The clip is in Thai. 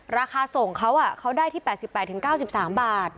ราคาส่งเขาเขาได้ที่๘๘๙๓บาท